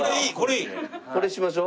これにしましょう。